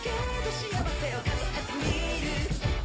「幸せを数えてみる」